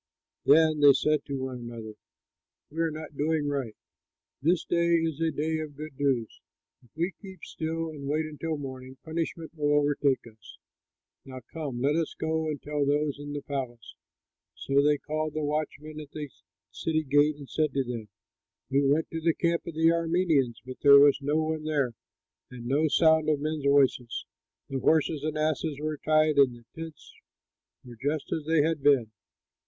Then they said to one another, "We are not doing right; this day is a day of good news. If we keep still and wait until morning punishment will overtake us. Now, come, let us go and tell those in the palace." So they called the watchmen at the city gate and said to them, "We went to the camp of the Arameans, but there was no one there and no sound of men's voices. The horses and asses were tied and the tents were just as they had been."